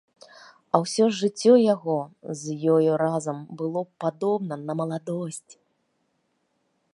А ўсё ж жыццё яго з ёю разам было б падобна на маладосць.